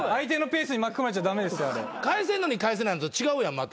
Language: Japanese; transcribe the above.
返せんのに返せないのと違うやんまた。